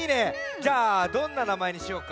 じゃあどんななまえにしようか。